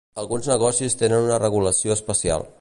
Alguns negocis tenen una regulació especial.